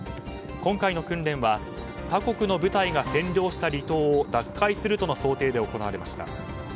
今回の訓練は他国の部隊が占領した離島を奪回するとの想定で行われました。